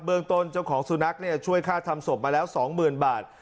เมืองต้นเจ้าของสุนัขช่วยค่าทำศพมาแล้ว๒๐๐๐บาท